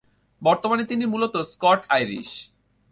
বর্তমানে তিনি মূলত স্কট-আইরিশ।